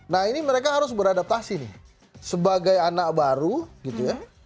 nah ini mereka harus beradaptasi nih sebagai anak baru gitu ya